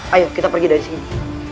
ayo kita pergi dari sini